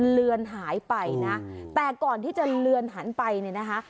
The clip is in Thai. เลือนหายไปนะแต่ก่อนที่จะเลือนหันไปเนี่ยนะคะ